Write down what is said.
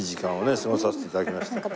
過ごさせて頂きました。